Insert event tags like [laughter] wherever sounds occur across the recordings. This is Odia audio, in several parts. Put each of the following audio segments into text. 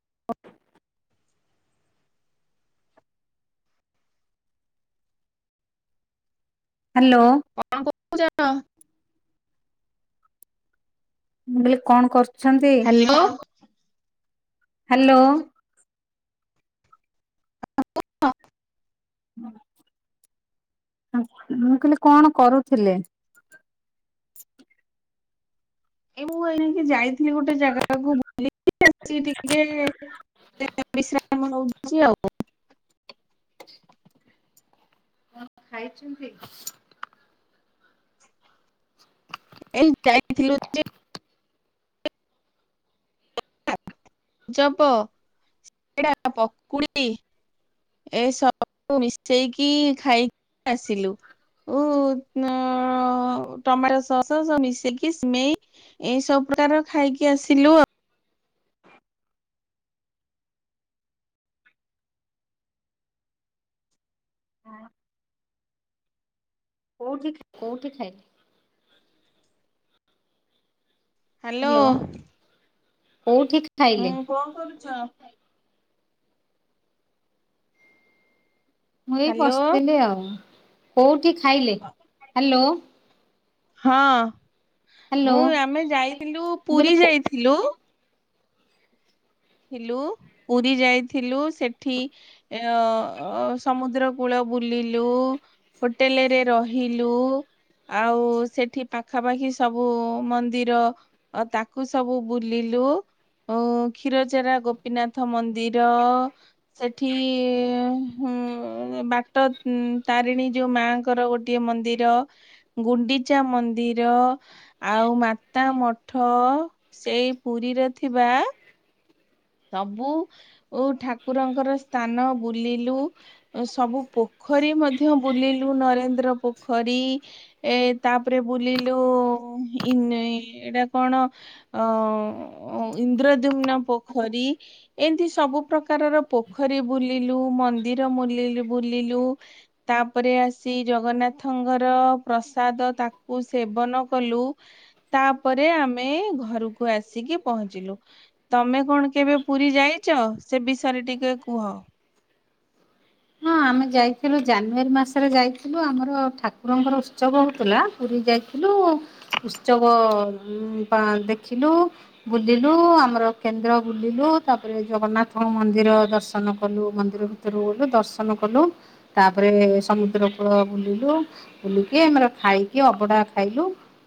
[unintelligible] ହ୍ୟାଲୋ। କଣ କହୁଛ? ମୁଁ କହିଲି କଣ କରୁଛନ୍ତି? ହ୍ୟାଲୋ। ହ୍ୟାଲୋ। ହଁ କୁହ। ହଁ। ମୁଁ କହିଲି କଣ କରୁଥିଲେ? ଏ ମୁଁ ଏନିକି ଯାଇଥିଲି ଗୋଟେ ଜାଗାକୁ ବୁଲିକି ଆସିକି ଟିକେ ଏ ବିଶ୍ରାମ ନୋଉଛି ଆଉ। [inaudible] କଣ ଖାଇଛନ୍ତି? ଏ ଯାଇଥିଲୁ ଯେ [unintelligible] ଚପ ସିଙ୍ଗଡ଼ା ପକୁଡି ଏ ସବୁ ମିଶେଇକି ଖାଇକି ଆସିଲୁ। ଉ ଟମାଟୋ ସଶ ସବୁ ମିଶେଇକି ସିମେଇ ଏଇ ସବୁ ପ୍ରକାର ଖାଇକି ଆସିଲୁ ଆଉ। ହଁ। କୋଉଠି କୋଉଠି ଖାଇଲେ? ହ୍ୟାଲୋ କୋଉଠି ହୁଁ ଖାଇଲେ କଣ କରୁଛ? ମୁଁ ଏଇ ହ୍ୟାଲୋ ବସିଥିଲି ଆଉ। କୋଉଠି ଖାଇଲେ? ହ୍ୟାଲୋ। ହଁ ହ୍ୟାଲୋ ମୁଁ ଆମେ ଯାଇଥିଲୁ ମୁଁ ପୁରୀ କହିଲି ଯାଇଥିଲୁ। ଥିଲୁ ପୁରୀ ଯାଇଥିଲୁ ସେଠି ଏ ଅ ସମୁଦ୍ର କୂଳ ବୁଲିଲୁ‌। ହୋଟେଲରେ ରହିଲୁ। ଆଉ ସେଠି ପାଖାପାଖି ସବୁ ମନ୍ଦିର ଅ ତାକୁ ସବୁ ବୁଲିଲୁ। ଅ [inaudible] କ୍ଷୀରଚୋରା ଗୋପୀନାଥ ମନ୍ଦିର ସେଠି ଅ ଉଁ ବାଟ ତାରିଣୀ ଯୋଉ ମାଙ୍କର ଗୋଟେ ଗୋଟିଏ ମନ୍ଦିର, ଗୁଣ୍ଡିଚା ମନ୍ଦିର ଆଉ ମାତା ମଠ ସେଇ ପୁରୀରେ ଥିବା ନବୁ ଓଉ ଠାକୁରଙ୍କର ସ୍ଥାନ ବୁଲିଲୁ। ସବୁ ପୋଖରୀ ମଧ୍ୟ ବୁଲିଲୁ ନରେନ୍ଦ୍ର ପୋଖରୀ ଏ ତାପରେ ବୁଲିଲୁ ଇନ୍ ଏଇଟା କଣ? ଅ ଇନ୍ଦ୍ରଦ୍ୟୁମ୍ନ ପୋଖରୀ ଏମିତି ସବୁ ପ୍ରକାରର ପୋଖରୀ ବୁଲିଲୁ, ମନ୍ଦିର ମୁଲିଲୁ ବୁଲିଲୁ ତାପରେ ଆସି ଜଗନ୍ନାଥଙ୍କର ପ୍ରସାଦ ତାକୁ ସେବନ କଲୁ। ତାପରେ ଆମେ ଘରକୁ ଆସିକି ପହଞ୍ଚିଲୁ। ତମେ କଣ କେବେ ପୁରୀ ଯାଇଚ ସେ ବିଷୟରେ ଟିକେ କୁହ। ହଁ ଆମେ ଯାଇଥିଲୁ ଜାନୁଆରୀ ମାସରେ ଯାଇଥିଲୁ। ଆମର ଠାକୁରଙ୍କର ଉତ୍ସବ ହୋଉଥିଲା। ପୁରୀ ଯାଇଥିଲୁ ଉତ୍ସବ ଉଁ ପା ଦେଖିଲୁ। ବୁଲିଲୁ ଆମର କେନ୍ଦ୍ର ବୁଲିଲୁ। ତାପରେ ଜଗନ୍ନାଥଙ୍କ ମନ୍ଦିର ଦର୍ଶନ କଲୁ, ମନ୍ଦିର ଭିତ୍ ଭିତରକୁ ଗଲୁ ଦର୍ଶନ କଲୁ ତାପରେ ସମୁଦ୍ର କୂଳ ବୁଲିଲୁ। ବୁଲିକି ଆମର ଖାଇକି ଅବଢା ଖାଇଲୁ।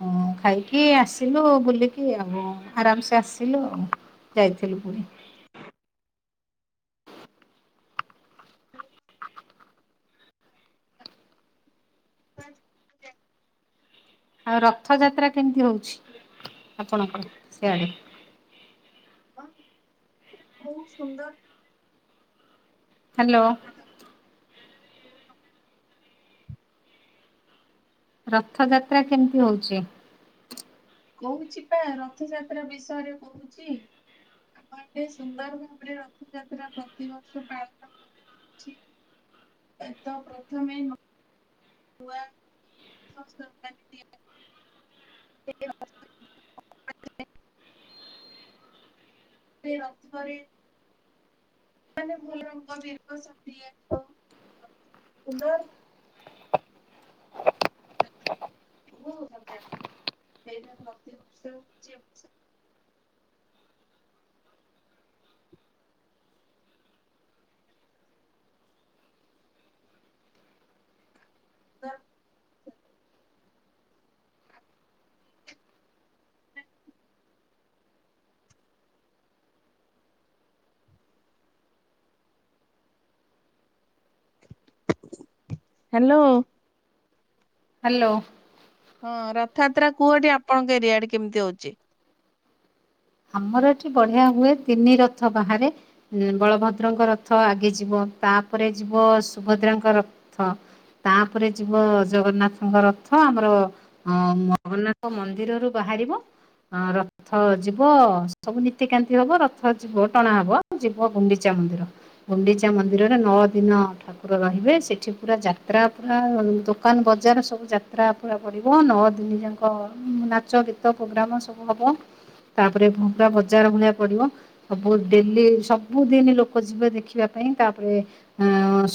ହ ଖାଇକି ଆସିଲୁ ବୁଲିକି ଆଉ ଆରାମସେ ଆସିଲୁ ଆଉ। ଯାଇଥିଲୁ ପୁରୀ। ଆଉ ରଥଯାତ୍ରା କେମିତି ହଉଛି ଆପଣଙ୍କ ସେଆଡେ? ବହୁତ ସୁନ୍ଦର। ହ୍ୟାଲୋ। [inaudible] ରଥଯାତ୍ରା କେମିତି ହଉଚି? କହୁଚି ପା ରଥଯାତ୍ରା ବିଷୟରେ କହୁଚି। ଆମଠେ ସୁନ୍ଦର ଭାବରେ ରଥଯାତ୍ରା ପ୍ରତିବର୍ଷ ପାଳନ କରାଯାଉଛି। ଏ ତ ପ୍ରଥମେ ନୂଆ ରଥ [unintelligible] [inaudible] ସେ ରଥରେ ମାନେ ଭଲ ରଙ୍ଗ ବେରଙ୍ଗ [unintelligible] କୋଉ ମଜା ସେଇତ ପ୍ରତି ବର୍ଷ ହେଉଚି ଏ ବର୍ଷ ଦର୍ [unintelligible] ହ୍ୟାଲୋ। ହ୍ୟାଲୋ। ହଁ ରଥଯାତ୍ରା କୁହଠି ଆପଣଙ୍କ ଏରିଆଡେ କେମିତି ହଉଚି? ଆମର ଏଠି ବଢିଆ ହୁଏ ତିନି ରଥ ବାହାରେ। ବଳଭଦ୍ରଙ୍କ ରଥ ଆଗେ ଯିବ ତାପରେ ଯିବ ସୁଭଦ୍ରାଙ୍କ ରଥ। ତାପରେ ଯିବ ଜଗନ୍ନାଥଙ୍କ ରଥ ଆମର ହଁ ମଗନ୍ନାଥ ମନ୍ଦିରରୁୁ ବାହାରିବ ଅ ରଥ ଜି ଯିବ ସବୁ ନୀତିକାନ୍ତି ହବ ରଥ ଯିବ ଟଣା ହବ ଯିବ ଗୁଣ୍ଡିଚା ମନ୍ଦିର। ଗୁଣ୍ଡିଚା ମନ୍ଦିରରେ ନଅ ଦିନ ରହିବେ ସେଠି ପୁରା ଯାତ୍ରା ପୁରା ଦୋକାନ ବଜାର ସବୁ ଯାତ୍ରା ତ୍ରା ପଡ଼ିବ ନଅ ଦିନି ଯାକ ନାଚ ଗୀତ ପ୍ରୋଗ୍ରାମ ସବୁ ହବ। ତାପରେ ପୁରା ବଜାର ଭଳିଆ ପଡିବ। ସବୁ ଡେଲି ସବୁଦିନ ଲୋକ ଯିବେ ଦେଖିବା ପାଇଁ ତାପରେ ଅ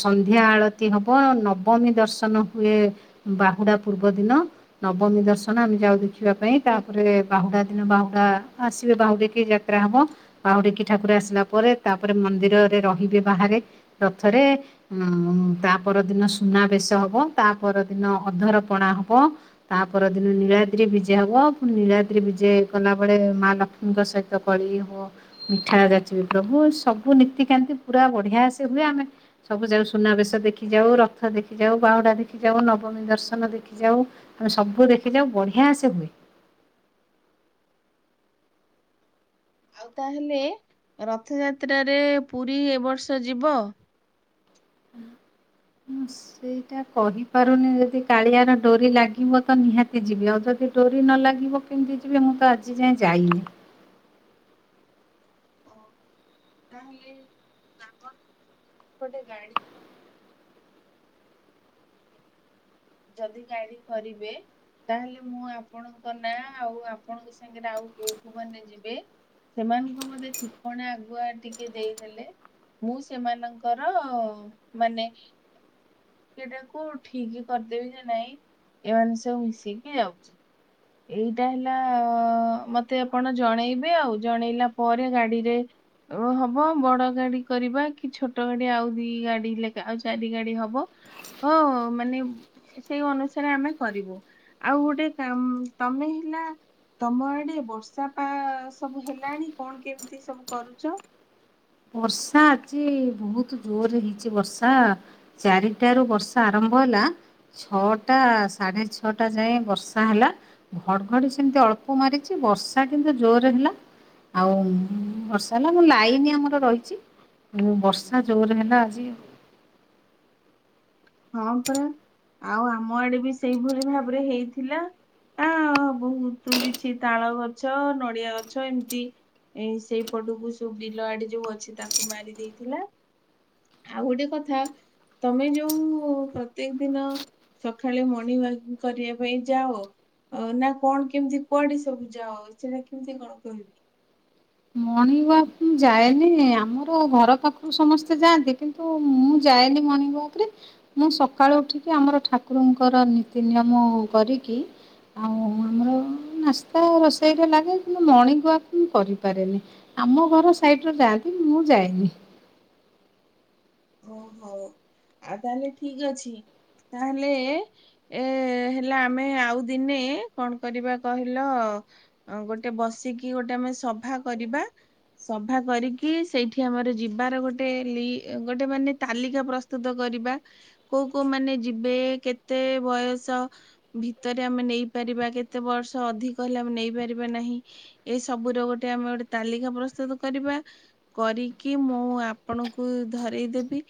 ସନ୍ଧ୍ୟା ଆଳତି ହବ ନବମୀ ଦର୍ଶନ ହୁଏ। ବାହୁଡା ପୂର୍ବ ଦିନ ନବମୀ ଦର୍ଶନ ଆମେ ଯାଉ ଦେଖିବା ପାଇଁ ତାପରେ ବାହୁଡା ଦିନ ବାହୁଡା ଆସିବେ ବାହୁ ଦେ କି ଯାତ୍ରା ହବ। ବାହୁଡିକି ଠାକୁର ଆସିଲା ପରେ ତାପରେ ମନ୍ଦିରରେ ରହିବେ ବାହାରେ ରଥରେ। ଉଁ ତାପର ଦିନ ସୁନାବେଶ ହବ ତାପର ଦିନ ଅଧର ପଣା ହବ। ତା ପର ଦିନ ନୀଳାଦ୍ରି ବିଜେ ହବ ପୁଣି ନୀଳାଦ୍ରି ବିଜେ କଲା ବେଳେ ମା ଲକ୍ଷ୍ମୀଙ୍କ ସହିତ ପଳେଇଲି ମୁଁ ମିଠାଳ ଯାଚିବି ପ୍ରଭୁ ସବୁ ନୀତିକାନ୍ତି ପୁରା ବଢିଆ ସେ ହୁଏ ଆମେ ସବୁ ଯାଉ ସୁନାବେଶ ଦେଖିଯାଉ ରଥ ଦେଖିଯାଉ ବାହୁଡ଼ା ଦେଖିଯାଉ ନବମୀ ଦର୍ଶନ ଦେଖିଯାଉ। ଆମେ ସବୁ ଦେଖିଯାଉ ବଢିଆ ସେ ହୁଏ। ଆଉ ତାହେଲେ ରଥଯାତ୍ରାରେ ପୁରୀ ଏବ ବର୍ଷ ଯିବ। ହସ୍। ସେଇଟା କହିପାରୁନି ଯଦି କାଳିଆର ଡୋରି ଲାଗିବ ତ ନିହାତି ଯିବି। ଆଉ ଯଦି ଡୋରି ନ ଲାଗିବ କିମତି ଯିବେ ମୁଁ ତ ଆଜି ଯାଏଁ ଯାଇନି। ଓ ତାହେଲେ ଆମର ଗୋଟେ ଗାଡି ଯଦି ଗାଡ଼ି କରିବେ ତାହେଲେ ମୁଁ ଆପଣଙ୍କ ନାଁ ଆଉ ଆପଣଙ୍କ ସାଙ୍ଗରେ ଆଉ କୋଉ କୋଉ ମାନେ ଯିବେ ସେମାନଙ୍କ ମତେ ଠିକଣା ଆଗୁଆ ଟିକେ ଦେଇଦେଲେ ମୁଁ ସେମାନଙ୍କର ମାନେ ଟିକଟାକୁ କୋଉଠିକି କରିଦେବି ନା ନାଇଁ ଏମାନେ ସବୁ ମିସିକି ଯାଉଛନ୍ତି। [inaudible] ଏଇଟା ହେଲା ମତେ ଆପଣ ଜଣେଇବେ ଆଉ ଜଣେଇଲା ପରେ ଗାଡିରେ ଓ ହବ ବଡ ଗାଡି କରିବା କି ଛୋଟ ଗାଡି ଆଉ ଦି ଗାଡି ଲେଖା ଆଉ ଚାରି ଗାଡି ହବ। ହ ମାନେ ସେଇ ଅନୁସାରେ ଆମେ କରିବୁ। ଆଉ ଗୋଟେ କାମ ତମେ ହେଲା ତମ ଆଡେ ବର୍ଷା ପା ସବୁ ହେଲାଣି କଣ କେମିତି ସବୁ କରୁଛ? ବର୍ଷା ଅଛି ବହୁତ ଜୋରରେ ହେଇଛି ବର୍ଷା। ଚାରିଟାରୁ ବର୍ଷା ଆରମ୍ଭ ହେଲା ଛଅଟା ସାଢେ ଛଅଟା ଯାଏଁ ବର୍ଷା ହେଲା। ଘଡଘଡି ସେମିତି ଅଳ୍ପ ମାରିଛି ବର୍ଷା କିନ୍ତୁ ଜୋର ହେଲା। ଆଉ ବର୍ଷା ହେଲା ମୁଁ ଲାଇନି ଆମର ରହିଛି ବର୍ଷା ଜୋରରେ ହେଲା ଆଜି ହଁ ପରା ଆଉ ଆମ ଆଡେ ବି ସେଇଭଳି ଭାବରେ ହେଇଥିଲା। ଆ ବହୁତ କିଛି ତାଳ ଗଛ ନଡିଆ ଗଛ ଏମିତି ଏଇ ସେଇପଟକୁ ସବୁ ବିଲ ଆଡେ ଯୋଉ ଅଛି ତାକୁ ମାରି ଦେଇଥିଲା। ଆଉ ଗୋଟେ କଥା ତମେ ଯୋଉ ମୁଁ ପ୍ରତ୍ୟକ ଦିନ ସକାଳେ ମର୍ଣ୍ଣିଂ ୱାକ କରିବା ପାଇଁ ଯାଅ ଅ ନା କଣ କେମିତି କୁଆଡେ ସବୁ ଯାଅ ସେଟା କେମିତି କଣ କହିବି? ମଣିିୱାକ ମୁ ଯାଏନି ଆମର ଘର ପାଖରୁ ସମସ୍ତେ ଯାଆନ୍ତି କି ନ୍ତୁ ମୁଁ ଯାଏନି ମଣୀଙ୍ଗ ୱାକ ରେ। ମୁଁ ସକାଳୁ ଉଠିକି ଆମର ଠାକୁରଙ୍କର ନୀତି ନିିୟମ କରିକି। ଆଉ ଆମର ନାସ୍ତା ରୋଷେଇରେ ଲାଗେ କିନ୍ତୁ ମର୍ଣ୍ଣିଂ ୱାକ୍ ମୁଁ କରିପାରେନି। ଆମ ଘର ସାଇଟରେ ଯାଆନ୍ତି ମୁଁ ଯାଏନି। ଓହୋ ଆଉ ତାହେଲେ ଠିକ ଅଛି ତାହେଲେ ଏ ହେଲା ଆମେ ଆଉ ଦିନେ କଣ କରିବା କହିଲ? ଅ ଗୋଟେ ବସିକି ଗୋଟେ ଆମେ ସଭା କରିବା। ସଭା କରିକି ସେଇଠି ଆମର ଯିବାର ଗୋଟେ ଲି ଗୋଟେ ମାନେ ତାଲିକା ପ୍ରସ୍ତୁତ କରିବା। କୋଉ କୋଉ ମାନେ ଯିବେ କେତେ ବୟସ ଭିତରେ ଆମେ ନେଇପାରିବା କେତେ ବର୍ଷ ଅଧିକ ହେଲେ ଆମେ ନେଇପାରିବା ନାହିଁ। ଏଇ ସବୁ ର ଗୋଟେ ଆମେ ଗୋଟେ ତାଲିକା ପ୍ରସ୍ତୁତ କରିବା କରିକି ମୁଁ ଆପଣଙ୍କୁ ଧରେଇ ଦେବି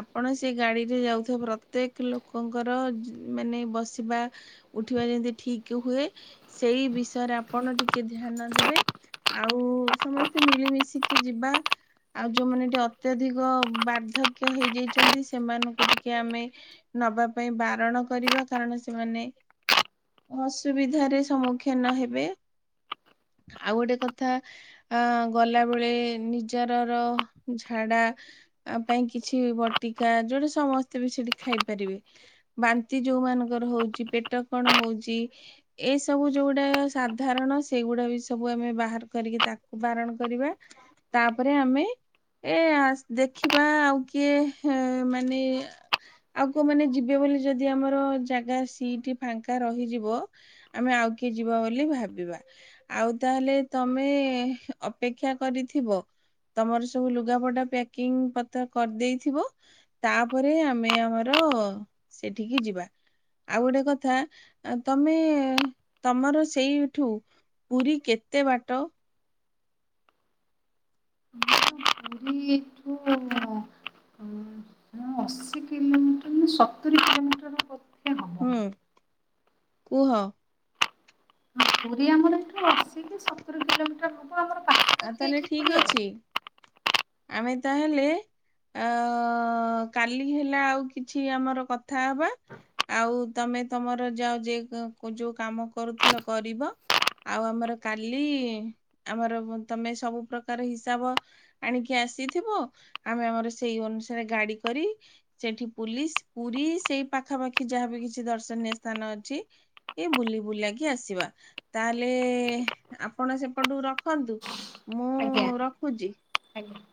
ଆପଣ ସେ ଗାଡିରେ ଯାଉଥିବା ପ୍ରତ୍ୟେକ ଲୋକଙ୍କର ମାନେ ବସିବା ଉଠିବା ଯେମିତି ଠିକ ହୁଏ ସେଇ ବିଷୟରେ ଆପଣ ଟିକେ ଧ୍ୟାନ ଦେବେ। ଆଉ ସମସ୍ତେ ମିଳିମିଶିକି ଯିବା ଆଉ ଯୋଉମାନେ ଟିକେ ଅତ୍ୟଧିକ ବାର୍ଦ୍ଧକ୍ୟ ହେଇଯାଇଛନ୍ତି ସେମାନଙ୍କୁ ଟିକେ ଆମେ ନବା ପାଇଁ ବାରଣ କରିବା କାରଣ ସେମାନେ ଅସୁବିଧାରେ ସମ୍ମୁଖୀନ ହେବେ। ଆଉ ଗୋଟେ କଥା ଆ ଗଲା ବେଳେ ନିଜରର ଝାଡା ଆ ପାଇଁ କିଛି ବଟିକା ଯୋଉଟା ସମସ୍ତେ ବି ସେଠି ଖାଇପାରିବେ। ବାନ୍ତି ଯୋଉ ମାନଙ୍କର ହଉଛି ପେଟ କଣ ହଉଛି ଏଇ ସବୁ ଯୋଉଗୁଡା ସାଧାରଣ ସେଇଗୁଡା ବି ସବୁ ଆମେ ବାହାର କରିକି ତାକୁ ବାରଣ କରିବା। ତାପରେ ଆମେ ଏ ଆସ ଦେଖିବା ଆଉ କିଏ ମାନେ ଆଉ କୋଉ ମାନେ ଯିବେ ବୋଲି ଯଦି ଆମର ଜାଗା ସିଟ ଫାଙ୍କା ରହିଯିବ ଆମେ ଆଉ କିଏ ଯିବା ବୋଲି ଭାବିବା। ଆଉ ତାହେଲେ ତମେ ଅପେକ୍ଷା କରିଥିବ। ତମର ସବୁ ଲୁଗାପଟା ପ୍ୟାକିଂ ପଥ କରିଦେଇଥିବ। ତାପରେ ଆମେ ଆମର ସେଠିକି ଯିବା। ଆଉ ଗୋଟେ କଥା ତମେ ତମର ସେଇଠୁ ପୁରୀ କେତେ ବାଟ? [unintelligible] ହଁ ଅଶୀ କିଲୋମିଟର ନା ସତୁରି। [unintelligible] ହୁଁ କୁହ। ପୁରୀ ଆମର ଏଠୁ ଆସିକି ସତୁରି କିଲୋମିଟର ହଵ। ଆଉ ତାହେଲେ ଠିକ ଅଛି ଆମେ ତାହେଲେ ଆ କାଲି ହେଲା ଆଉ କିଛି ଆମର କଥା ହବା। ଆଉ ତମେ ତମର ଯାଉ ଯ ଯୋଉ କାମ କରୁଥିଲ କରିବ। ଆଉ ଆମର କାଲି ଆମର ତମେ ସବୁ ପ୍ରକାର ହିସାବ ଆଣିକି ଆସିଥିବ ଆମେ ଆମର ସେଇ ଅନୁସାରେ ଗାଡି କରି ସେଠି ପୁଲିସ ପୁରୀ ସେଇ ପାଖାପାଖି ଯାହା ବିି କିଛି ଦର୍ଶନୀୟ ସ୍ଥାନ ଅଛି ଏ ବୁଲି ବୁଲାକି ଆସିବା ତାହେଲେ ଆପଣ ସେପଟୁ ରଖନ୍ତୁ। ମୁଁ ଆଜ୍ଞା ରଖୁଛି। ଆଜ୍ଞା।